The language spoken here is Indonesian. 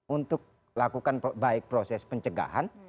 untuk lakukan baik proses pencegahan